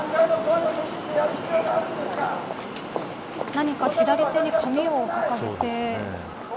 何か左手に紙を掲げて。